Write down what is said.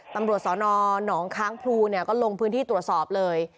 ตำรวจสนหนองค้างพลูก็ลงพื้นที่ตรวจสอบเลย